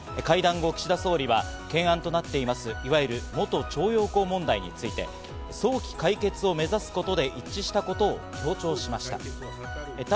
会談後、岸田総理は懸案となっています、いわゆる元徴用工問題について、早期解決を目指すことで一致したことを強調しました。